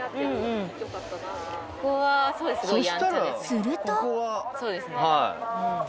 ［すると］